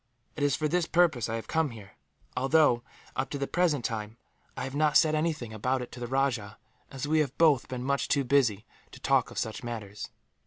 It is for this purpose I have come here although, up to the present time, I have not said anything about it to the rajah, as we have both been much too busy to talk of such matters.